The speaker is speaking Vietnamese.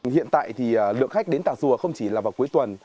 hiện tại thì lượng khách đến tà rùa không chỉ là vào cuối tuần